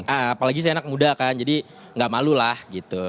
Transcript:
apalagi saya anak muda kan jadi gak malu lah gitu